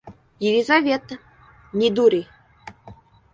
Елизавета, не дури.